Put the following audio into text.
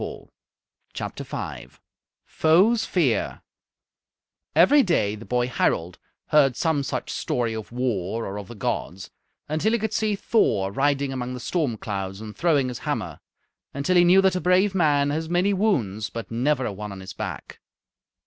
Foes' fear Every day the boy Harald heard some such story of war or of the gods, until he could see Thor riding among the storm clouds and throwing his hammer, until he knew that a brave man has many wounds, but never a one on his back.